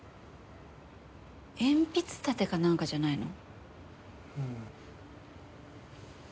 鉛筆立てかなんかじゃないの？